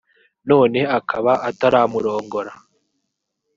none akaba ataramurongora?